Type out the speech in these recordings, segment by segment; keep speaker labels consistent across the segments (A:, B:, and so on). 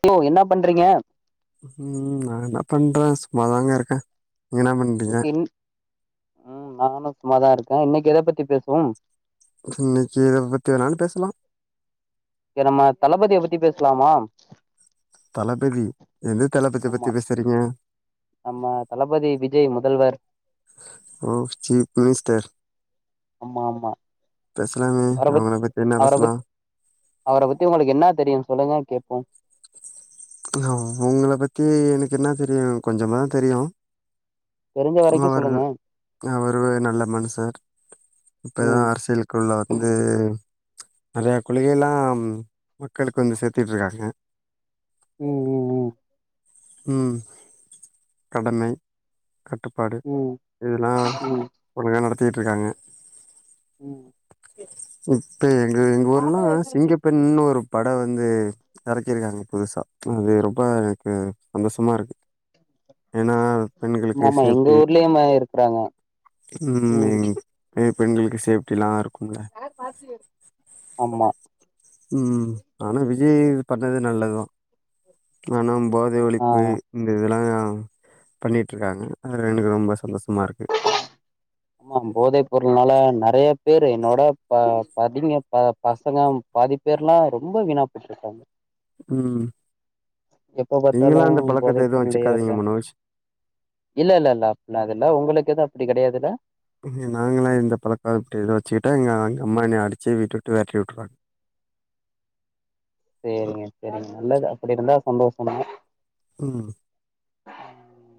A: hello என்ன பண்றிங்க
B: ம் நா என்ன பண்ற சும்மாதாங்க இருக்க
A: ஓகேங் ம் நானு சும்மாதா இருக்க இன்னைக்கு எத பத்தி பேசுவோம்
B: இன்னக்கி எத பத்தி வேணாலு பேசலா
A: நம்ம தளபதிய பத்தி பேசலாமா
B: தளபதி எந்த தளபதிய
A: ஆமா
B: பத்தி பேசறிங்க
A: நம்ம தளபதி விஜய் முதல்வர்
B: ஓ சீஃப் மினிஸ்டர்
A: ஆமா ஆமா
B: பேசலாமே
A: அவர பத்
B: அவுங்கள பத்தி என்ன
A: அவர பத்
B: பேசலாம்
A: அவர பத்தி உங்களுக்கு என்னா தெரியு சொல்லுங்க கேப்போ
B: அவுங்கள பத்தி எனக்கு என்னா தெரியு கொஞ்சமா தெரியு
A: தெரிஞ்ச வரைக்கு
B: அவர்
A: சொல்லுங்க
B: அவரு நல்ல மனுசர் இப்பதா
A: ம்
B: அரசியல் க்குள்ள வந்து நெறையா கொள்கைலாம் மக்களுக்கு வந்து சேத்துட்ருக்காங்க
A: ம் ம் ம்
B: ம் கடமை கட்டுப்பாடு
A: ம்
B: இதெல்லா
A: ம் ம்
B: ஒழுங்கா நடத்திட்டு இருக்காங்க
A: ம்
B: இப்ப எங்க எங்க ஊர்ல்லா சிங்கப்பெண்ணுனு ஒரு பட வந்து எறக்கிருக்காங்க புதுசா அது ரொம்ப எனக்கு சந்தோஷமா இருக்கு ஏனா பெண்களுக்கு
A: ஆமாமா எங்க
B: சேஃப்டி
A: ஊர்லயுமே இருக்கறாங்க
B: ம் நெறய பெண்களுக்கு சேஃப்டிலா இருக்கும்ல
A: ஆமா
B: ம் ஆனா விஜய் இது பண்ணது நல்லதுதா ஆனா போதை
A: ஆ
B: ஒழிப்பு இந்த இதெலா பண்ணிட்ருக்காங்க அதுல எனக்கு ரொம்ப சந்தோஷமா இருக்கு
A: ஆமா போதைப் பொருள்னால நெறைய பேரு என்னோட ப பதின ப பசங்க பாதிப்பேர்லா ரொம்ப வீணாப்போய்ட்ருக்காங்க
B: ம்
A: எப்ப பாத்தாலு
B: நீங்கல்லா அந்த
A: போதை
B: பழக்கத்த எது
A: பொருள்லயே
B: வெச்சுக்காதிங்க
A: இருக்காங்க
B: மனோஜ்
A: இல்ல இல்ல இல்ல அப்டில்லா அதெல்லா உங்களுக்குதா அப்டி கெடையாதுல
B: நாங்களா இந்த பழக்காரட்ட இத வெச்சு கிட்டா எங்க அ அம்மா என்ன அடிச்சே வீட்ட விட்டு வெரட்டி உட்ருவாங்க
A: சேரிங்க சேரிங்க நல்லது அப்படி இருந்தா சந்தோஷந்தா
B: ம்
A: ம்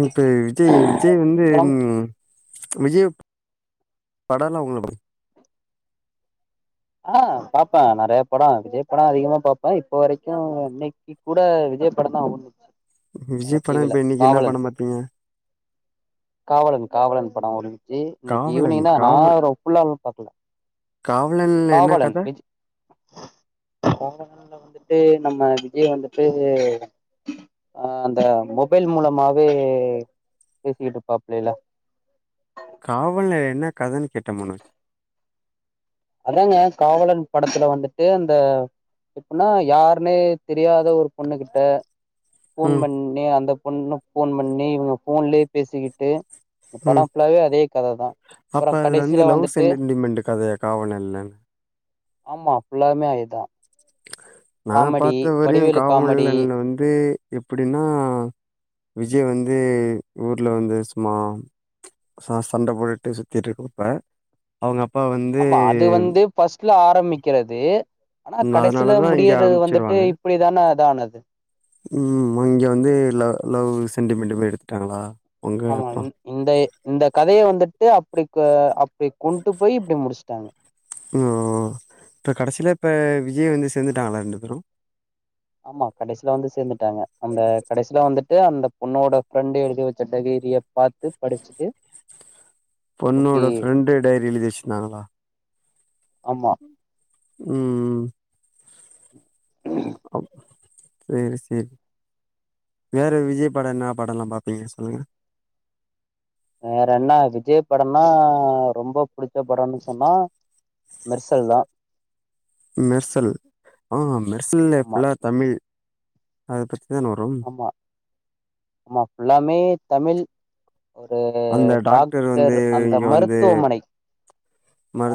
B: இப்ப விஜய் விஜய் வந்து
A: அப்புறம்
B: ம் விஜய் படல்லா ஒன்னு
A: ஆ பாப்ப நெறையா பட விஜய் பட அதிகமா பாப்ப இப்ப வரைக்கு இன்னைக் கு கூட விஜய் படந்தா ஓடுது அ
B: விஜய்
A: டி
B: பட
A: வில
B: இப்ப இன்னைக்கு என்னா
A: காவலன்
B: படம் பாத்திங்க
A: காவலன் காவலன் படோ ஒந்ச்சி இன்னைக்கி
B: காவலன்
A: ஈவினிங்கிதா நா ரோ ஃபுல்லாலா பாக்கல
B: காவ்லன்
A: காவலன் விஜ் காவலன்ல வந்துட்டு நம்ம விஜய் வந்துட்டு ஆ அந்த மொபைல் மூலமாவே பேசிகிட்ருப்பாப்லே இல
B: காவல்ன என்னக் கதனு கேட்ட முனு
A: அதாங்க காவலன் படத்துல வந்துட்டு அந்த எப்புன்னா யார்னே தெரியாத ஒரு பொண்ணு கிட்ட ஃபோன்
B: ம்
A: பண்ணி அந்த பொண்ணு ஃபோன் பண்ணி இவுங்க ஃபோன்லியே பேசிகிட்டு இந்த படோ
B: ம்
A: ஃபுல்லாவே அதேக் கததா அப்பறோ கடைசில வந்துட்டு
B: டிம்மெண்டுக்கதையக் காவனில்னின்
A: ஆமா ஃபுல்லாமே அயேதா
B: நா பாத்த வரையுங்
A: வடிவேலு
B: காவல்
A: காமெடி
B: எல்ன வந்து எப்புடின்னா விஜய் வந்து ஊர்ல வந்து சும்மா ச சண்ட போடுட்டு சுத்திட்ருக்குவுப்ப அவுங்க அப்பா வந்
A: ஆமா அது வந்து ஃபர்ஸ்ட்ல ஆரம்மிக்கிறது ஆனாக் கடைசில
B: அதனாலதா இங்க
A: முடியறது வந்துட்டு
B: அனுப்ச்சிருவாங்க
A: இப்டிதானே அதானது
B: ம் மிங்கே வந்து லவ் லவ் சென்டிமெண்டு மேரி எடுத்துட்டாங்களா உங்க
A: ஆமா
B: அப்பா
A: இன் இந்தயே இந்தக் கதைய வந்துட்டு அப்டிக்கொ அப்டி கொண்டு போயி இப்டி முடிச்ட்டாங்க
B: ம் ஓ இட்ர கடசில இப்ப விஜய் வந்து சேந்துட்டாங்களா ரெண்டு பேரு
A: ஆமா கடைசில வந்து சேந்துட்டாங்க அந்த கடைசில வந்துட்டு அந்தப் பொண்ணோட ஃபிரெண்டு் எழுதி வெச்ச டைகிரியப் பாத் த்துப் படிச்சுட்டு ஓகே
B: பொண்ணோட ஃப்ரெண்டு டைரி எழுதி வெசிந்தாங்களா
A: ஆமா
B: ம் ம் அப் சேரி சேரி வேற விஜய்ப் படோ என்னா படலா பாப்பிங்க சொல்லுங்க
A: வேற என்ன விஜய்ப் படம்மா ரொம்பப் புடிச்ச படோன்னு சொன்னா மெர்சல்தா
B: மெர்சல் ஆ மெர்சல்லே
A: ஆமா
B: ஃபுல்லா தமிழ் அதப்பத்திதா நொரும்
A: மா ஆமா ஃபுல்லாமே தமிழ் ஒரு
B: அந்த
A: டாக்டர்
B: வந்து
A: அந்த
B: இங்க வந்து
A: மருத்துவமனை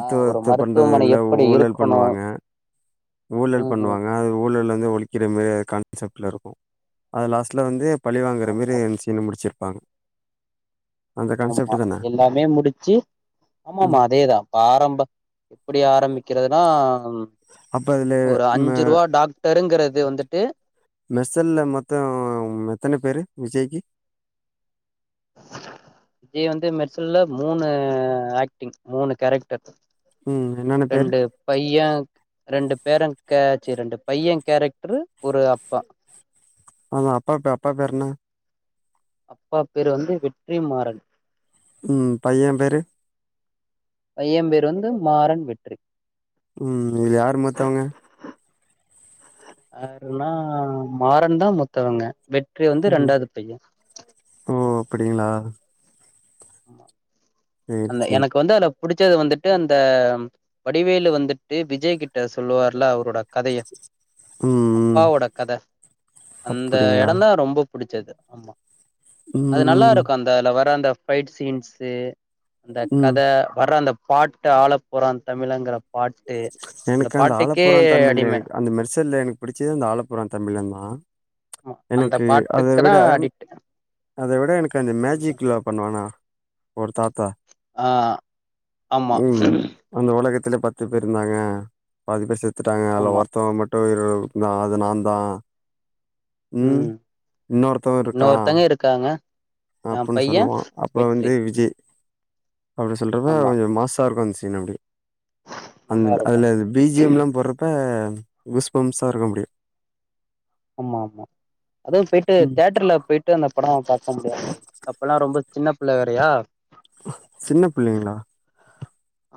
A: ஆ ஒரு
B: பண்றது
A: மருத்துவமனை
B: இல்ல
A: எப்படி
B: ஊழல்
A: இருக்கணு
B: பண்ணுவாங்க ஊழல்
A: ம்
B: பண்ணுவாங்க அது ஊழல் வந்து ஒழிக்கிறமே அத கான்செப்ட்ல இருக்கு அத லாஸ்ட்ல வந்துப் பழி வாங்கற
A: ஆமா
B: மேரி அந்த சீன முடிச்சிருப்பாங்க அந்த
A: ஆமா
B: கான்செப்ட் தான
A: எல்லாமே முடிச்சி ஆமாமா
B: ம்
A: அதேதா பாரம்ப எப்புடி ஆரம்பிக்கிறதுனாம்
B: அப்ப அதுல
A: ஒரு
B: ம
A: அஞ்சு ருவா டாக் டருங்கிறது வந்துட்டு
B: மெர்சல்ல மொத்தோம் எத்தன பேரு விஜய்க்கி
A: விஜய் வந்து மெர்சல்ல மூனு ஆக்டிங் மூனு கேரக்டர்
B: ம் என்னென்ன பேரு
A: ரெண்டு பையே ரெண்டு பேரு கேச்சி ரெண்டு பைய கேரக்ட்ரு ஒரு அப்பா
B: அவுங்க அப்பாக்கு அப்பா பேரு என்ன
A: அப்பா பேரு வந்து வெற்றி மாறன்
B: ம் பைய பேரு
A: பைய பேர் வந்து மாறன் வெற்றி
B: ம் இதுல யாரு மூத்தவங்க
A: யாருன்னா மாறன்தா மூத்தவங்க வெற் றி வந்து
B: ம்
A: ரெண்டாவது பைய
B: ஓ அப்படிங்ளா சேரி
A: அந்த
B: சேரி
A: எனக்கு வந்து அதுல பிடிச்சது வந்துட்டு அந்த வடிவேலு வந்துட்டு விஜய் கிட்ட சொல்லுவார்ல அவரோட கதைய
B: ம் ம்
A: அப்பாவோட கத அந்த
B: அப்டிங்களா
A: எடந்தா ரொம்போ பிடிச்சது ஆமா அது நல்லா
B: ம்
A: இருக்கு அந்தல வர அந்த பைட் சீன்ஸு அந்த
B: ம்
A: கத வர்ற அந்த பாட்டு ஆள போறா தமிழங்கிற பாட்
B: எனக்கு அந்த ஆளப்போறா தமிழ அந்த மெர்சல்ல எனக்கு பிடிச்சது அந்த ஆழப்போறா தமிழன்தா
A: அந்த
B: எனக்கு அத
A: பாட்டுக்கு தா
B: விட
A: அடிக்ட்
B: அத விட எனக்கு அந்த
A: ம்
B: மேஜிக்லா பண்ணுவானா ஒரு தாத்தா
A: ஆ ஆமா
B: ம் அந்த உலகத்திலே பத்து பேர் இருந்தாங்க பாதி பேர் செத்துட்டாங்க அல
A: ஆமா
B: ஒருத்தவங் மட் டோருல் நா அது நான்தா
A: ம் இன்னொருத்தவங்க இருக்காங்க என்
B: அப்புன்
A: பைய
B: சொல்லுவா அப்புறோ வந்து
A: வெற்றி
B: விஜய் அப்டி சொல்றப்ப
A: ஆமா
B: கொஞ்சோ மாஸ்சா இருக்கு அந்த சீன் அப்டி அந்
A: நல்லா இருக்கு
B: அதுல பீஜியம்லா போட்றப்ப குஸ்பம்ஸாருகு அப்டியே
A: ஆமா ஆமா அதா பேய்ட்டு
B: ம்
A: த்யேட்டர்ல பேய் டு அந்த படோ பாக்க முட்யாது அப்பல்லா ரொம்ப சின்ன புள்ள வேறயா
B: சின்ன புள்ளிங்ளா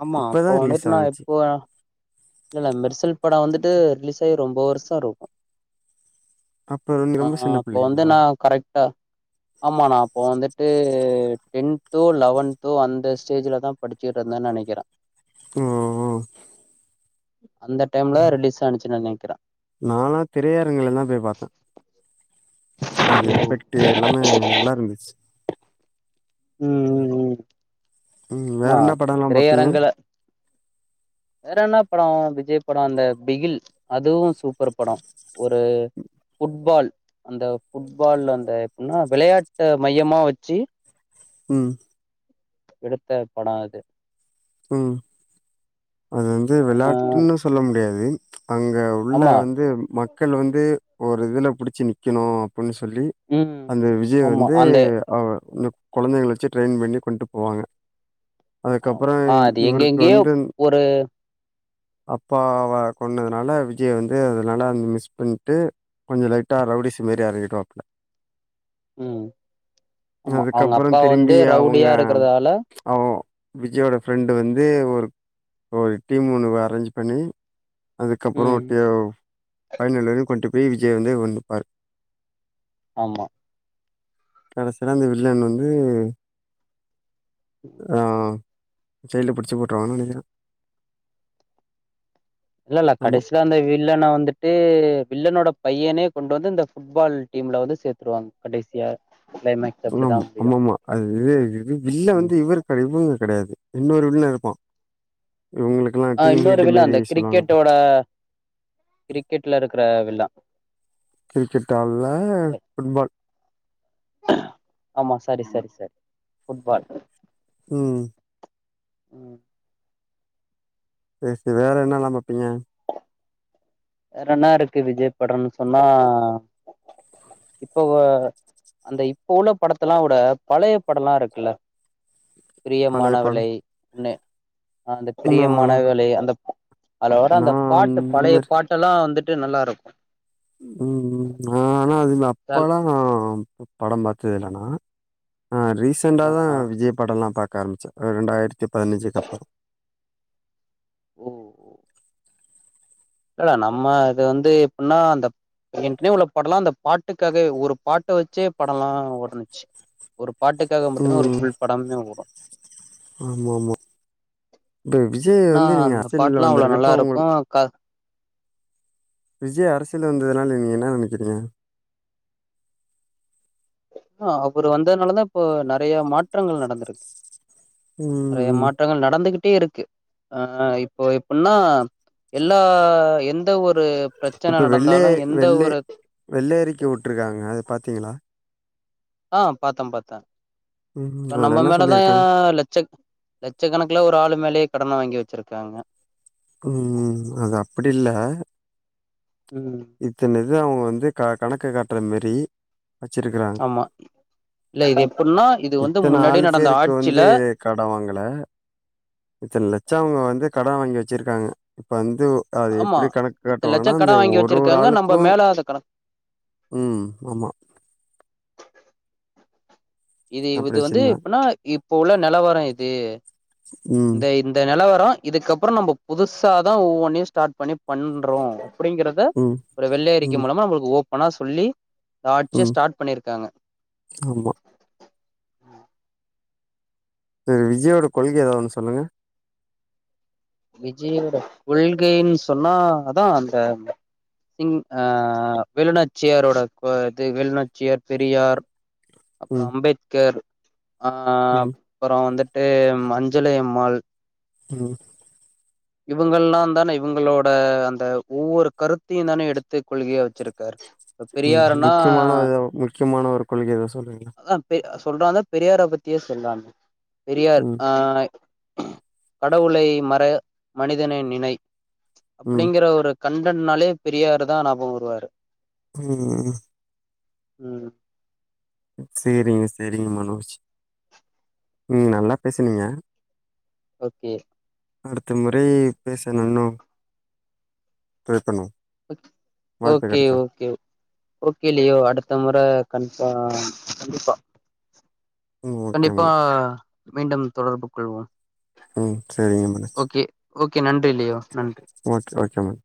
A: ஆமா
B: இப்பதா
A: அப்போ
B: ரிலீஸ் ஆனிச்சி
A: இல்லல்ல மெர்சல் படோ வந்துட்டு ரிலீசாயி ரொம்ப வர்ஷோ இருக்கு
B: அப்ப வந்து
A: ஆ
B: ரொம்ப சின்ன
A: அப்போ வந்து
B: பிள்ளைங்களா
A: நா கரெட்டா ஆமா நா அப்போ வந்துட்டு டென்த்தோ லவன்த்தோ அந்த ஸ்டேஜுல தா படிச்சிட்ருந்தேன் நெனக்கிறே
B: ம்
A: அந்த டைம்ல ரிலீஸ் ஆனிச்சின் நெனக்கிற
B: நாலா திரையரங்குல தா போய் பாத்தே அந்த எஃபெக்டு எல்லாமே நல்லாருந்துச்
A: ம் ம் ம்
B: ம் வேற
A: மா
B: என்ன படம்லா பாப்பீங்க
A: திரையரங்குல வேற என்ன படோ விஜய் படோ அந்த பிகில் அதுவு சூப்பர் படோ ஒரு ஃபுட்பால் அந்த ஃபுட்பால் அந்த எப்பின்னா விளயாட்ட மையமா வச்சி
B: ம்
A: எடுத்த படோ அது
B: ம் அது வந்து
A: ஆ
B: வெளாட்டுன்னு சொல்ல முடியாது அங்க உள்ள
A: ஆமா
B: வந்து மக்கள் வந்து ஒரு இதுல புடிச்சி நிக்கணு அப்புன் சொல்லி
A: ம்
B: அந்த விஜய்
A: ஆமா
B: வந்து
A: அந்த
B: அவ இந்த கொழந்தைங்கள வெச்சு ட்ரெயின் பண்ணி கொண்ட்டு போவாங்க அ ப்பற
A: ஆ அது
B: இவருக்
A: எங்கெங்கேயோ
B: வந்துந்
A: ஒரு
B: அப்பாவ கொன்னதுனால விஜய வந்து அதனால அங் மிஸ் பண்ட்டு கொஞ்சோ லைட்டா ரவ்டீஸுமாரி ஆரம்பிப்பாபுள
A: ம் ஆமா அவங்க
B: அதுக்கப்பறந்
A: அப்பா வந்து
B: திரும்பி அவுங்க
A: ரவுடியா இருக்கறதால
B: அ வ் ஜயோட ஃப்ரெண்டு வந்து ஒரு ஒரு டீம் ஒன்னு அரேஞ்சு பண்ணி அதுக்கப்பறோ
A: ம்
B: டியோ ஃபைனல் வர்யு கொண்ட்டு போய் விஜய் வந்து ஒன்னுப்பாரு
A: ஆமா
B: கடசில அந்த வில்லன் வந்து ஆ ஜெயில்ல புடிச்சு போட்ருவாங்க நெனைக்குறே
A: இல்லல்ல கடைசில அந்த வில்லன வந்துட்டு வில்லனோட பையனே கொண்டு வந்து இந்த ஃபுட் பால் டீம்ல வந்து சேத்துடுவாங் கடைசியா க்ளைமேக்
B: ஆம் அம்மம்மா அது இது இது வில்ல
A: ம்
B: வந்து இவரு சாரி இவுங்க கெடையாது இன்னொரு வில்லேருப்பா இவுங்ளுக்
A: ஆ இன்னொரு வில்லே அந்த க்ரிக்கெட்டோட க்ரிக்கெட்ல இருக்குற வில்லே
B: க்ரிக்கெட்டால்ல ஃபுட்பால்
A: ஆமா சாரி சாரி சாரி ஃபுட்பால்
B: ம்
A: ம்
B: சேரி சே வேற என்னெல்லா பாப்பீங்க
A: வேறென்னாருக்கு விஜய் படன்னு சொன்னா இப்போ ஓ அந்த இப்ப உள்ள படத்தெலா உட பழய படலாருக்குல்ல
B: பழைய படோ
A: பிரியமானவளே ண்ணு அந்த
B: நா
A: பிரியமானவளே அந்த அதுல வர
B: நா
A: அந்த பாட்
B: அந்த மாரி
A: பாட்டெல்லா வந்துட்டு நல்லாருக்கு
B: ம் ம் ஆ ஆனா அது நா அப்பலா படம் பாத்ததில்ல நா ஆ ரீசண்டா தா
A: ஆ
B: விஜய் படலா பாக்க ஆரம்பிச்ச ரெண்டாய்ர்த்தி பதினஞ்சுக்கப்புறோ
A: ஒ ஒ இல்லல நம்ம இது வந்து எப்பின்னா அந்த என்க்குனே உள்ள படலா அந்த பாட்டுக்காக ஒரு பாட்ட வெச்சே படலா ஓடனுச்சு ஒரு பாட்டுக்காக மட்டுமே ஒரு
B: ம்
A: ஃபுல் படமே ஓடு
B: ஆமாமா இப்ப விஜய்
A: னா
B: வந்து நீங்க
A: அந்த
B: அரசியல்ல
A: பாட்ல்லா அவ்ளோ
B: வந்திருக்கிறப்ப உங்கள
A: நல்லாருக்கு க
B: விஜய் அரசியல் வந்ததுனால நீங்க என்னா நெனைக்கிறீங்க
A: ஆ அவரு வந்ததுனாலதா இப்ப நெறைய மாற்றங்கள் நடந்திருக்கு
B: ம்
A: நெறைய மா
B: ம்
A: ற்றங்கள் நடந்துகிட்டே இருக்கு ஆ இப்போ எப்பின்னா எல்லா எந்த ஒரு ப்ரெச்சன
B: இப்ப வெள்ளை
A: நடந்தாலு எந்த
B: வெள்ளை
A: ஒரு
B: வெள்ளை அறிக்கை வுட்ருக்காங்க அது பாத்தீங்களா
A: ஆ பாத்தே பாத்தே
B: ம்
A: அ
B: அதுல
A: நம்ம
B: என்ன
A: மேலதா
B: சொல்லிருக்காங்க
A: லட்ச லட்சக்கணக்கல ஒரு ஆளு மேலயே கடன வாங்கி வெச்சிருக்காங்க
B: ம் அது அப்படி இல்ல
A: ம்
B: இத்தன இது அவுங்க வந்து க கணக்கு காட்ற மேரி வெச்சிருக்குறாங்‌
A: ஆமா இல்ல இது எப்புட்ன்னா இது வந்து
B: இத்தன
A: முன்னாடி
B: ஆலு
A: நடந்த
B: பேருக்கு
A: ஆட்சில
B: வந்து கட வாங்குன இத்தன லச்சோம் அவுங்க வந்து கட வாங்கி வச்சிருக்காங்க இப்ப வந்து அது
A: ஆமா
B: எப்படி கணக்கு
A: இத்தன லட்சோ
B: காட்டுவான்னா அந்த
A: கடன் வாங்கி
B: ஒரு ஒரு
A: வச்சிருக்காங்க நம்ம
B: ஆளுக்கூம்
A: மேல அத கடன்
B: ம் ஆமா
A: இது
B: அப்டி
A: இது வந்து
B: வச்சிருந்தாங்க
A: எப்பன்னா இப்போ உள்ள நெலவரம் எது
B: ம்
A: இந்த இந்த நெலவரோம் இதுக்கப்பறோம் நம்ம புதுசாதா ஒவ்வொன்னயும் ஸ்டார்ட் பண்ணி பண்றோம் அப்டிங்கற ப
B: ம்
A: ஒரு வெள்ளை அறிக்கை
B: ம்
A: மூலமா நம்மளுக்கு ஓபன்னா சொல்லி ஆட்ச
B: ம்
A: ஸ்டார்ட் பண்ணிருக்காங்க
B: ஆமா சரி விஜயோட கொள்கைய ஏதாதொன்னு சொல்லுங்கள்
A: விஜயோட கொள்கைன் சொன்னா அதா அந்த ம் ஆ வெலுநாட்சியாரோட பதிகள் வெலுநாட்சியார் பெரியார் அப்புறம்
B: ம்
A: அம்பேத்கர் அ
B: ம்
A: அப்புறம் வந்துட்டு அஞ்ஜளைஅம்மாள்
B: ம்
A: இவங்கல்லாம் தானே இவங்களோட அந்த ஒவ்வொரு கருத்தையும் தானே எடுத்து கொள்கையா வச்சிருக்கார் இப்ப
B: ம்
A: பெரியாருன்னா
B: முக்கியமான ஒரு முக்கியமான ஒரு கொள்கை எதா சொல்லுங்களா
A: ஆ பெ செல்லறாங்க பெரியார பத்தியே சொல்றாங்க பெரியார்
B: ம்
A: ஆ கடவுளை மர மனிதனை நினை
B: ம்
A: அப்டிங்கிற ஒரு கண்டன்ட்னாலே பெரியாரு தா ஞாபோ வருவாரு
B: ம்
A: ம்
B: சேரிங்க செரிங்க மனோஜ் ம் நல்லா பேசுனீங்க
A: ஓகே
B: அடுத்த முறை பேசணுன்னா தவக்கணும்
A: ஓகே ஓகே ஓகே லியோ அடுத்த மொற கண்ப்பா கண்டிப்பா
B: ம் ஓகே
A: கண்டிப்பா
B: மனோஜ்
A: மீண்டும் தொடர்பு கொள்வோம்
B: ம் சரிங்க மனோஜ்
A: ஓகே ஓகே நன்றி லியோ நன்
B: ஓகே ஓகே மேம்